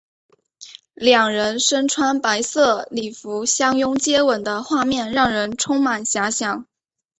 两人身穿白色礼服相拥接吻的画面让人充满遐想。